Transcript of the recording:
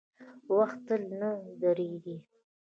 • وخت تل نه درېږي.